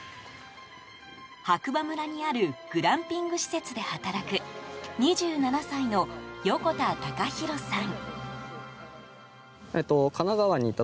白馬村にあるグランピング施設で働く２７歳の横田隆弘さん。